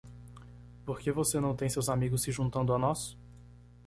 Por que você não tem seus amigos se juntando a nós?